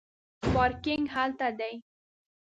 پارکینګ هلته دی